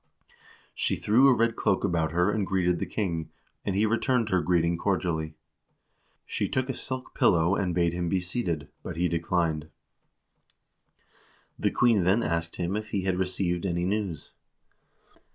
She threw a red cloak about her and greeted the king, and he returned her greeting cordially. She took a silk pillow and bade him be seated, but he declined. The queen then asked him if he had received any news.